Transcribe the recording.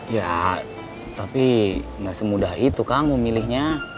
ya tapi gak semudah itu kamu milihnya